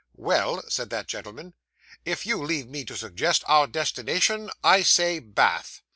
'Well,' said that gentleman, 'if you leave me to suggest our destination, I say Bath.